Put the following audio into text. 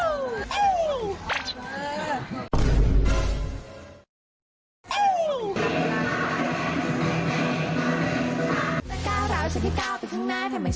วันนี้เกี่ยวกับกองถ่ายเราจะมาอยู่กับว่าเขาเรียกว่าอะไรอ่ะนางแบบเหรอ